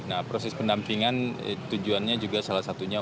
nah proses pendampingan tujuannya juga salah satunya